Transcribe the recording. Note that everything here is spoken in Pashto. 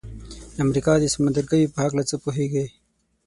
د امریکا د سمندرګیو په هکله څه پوهیږئ؟